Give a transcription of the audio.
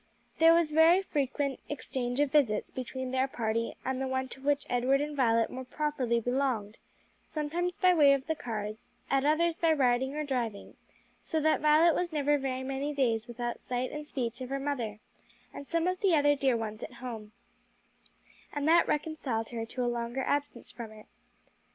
There was a very frequent exchange of visits between their party and the one to which Edward and Violet more properly belonged; sometimes by way of the cars, at others by riding or driving; so that Violet was never many days without sight and speech of her mother and some of the other dear ones at home; and that reconciled her to a longer absence from it.